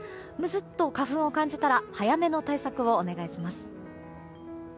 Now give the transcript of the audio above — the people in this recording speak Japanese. ムズッと花粉を感じたら早めの対策をお願いします。